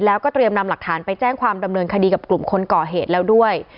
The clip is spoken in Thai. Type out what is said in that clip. แล้วก็เตรียมนำหลักฐานไปแจ้งความดำเนินคดีกับกลุ่มคนก่อเหตุแล้วด้วย